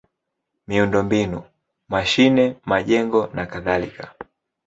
miundombinu: mashine, majengo nakadhalika.